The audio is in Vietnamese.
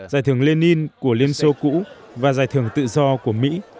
giải thưởng lenin của liên xô cũ và giải thưởng tự do của mỹ